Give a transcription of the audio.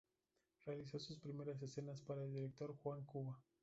Realizó sus primeras escenas para el director Juan Cuba.